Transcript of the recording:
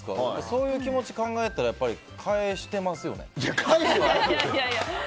そういう気持ちを考えたら返してますよね。